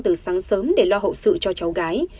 từ sáng sớm để lo hậu sự cho cháu gái